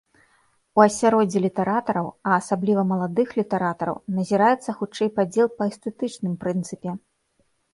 У асяроддзі літаратараў, а асабліва маладых літаратараў, назіраецца хутчэй падзел па эстэтычным прынцыпе.